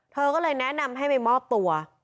เธอก็เลยแนะนำให้ไปมอบตัว